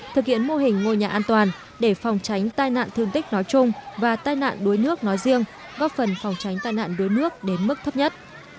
thực hiện mô hình ngôi nhà an toàn để phòng tránh tai nạn thương tích nói chung và tai nạn đuối nước nói riêng góp phần phòng tránh tai nạn đuối nước đến mức thấp nhất